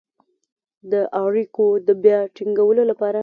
د اړیکو د بيا ټينګولو لپاره